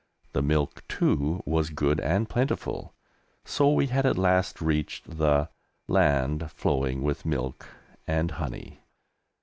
The milk, too, was good and plentiful, so we had at last reached the "land flowing with milk and honey."